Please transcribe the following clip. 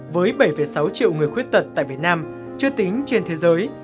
với bảy sáu triệu người khuyết tật tại việt nam chưa tính trên thế giới